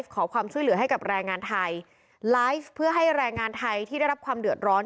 ขอความช่วยเหลือให้กับแรงงานไทยไลฟ์เพื่อให้แรงงานไทยที่ได้รับความเดือดร้อน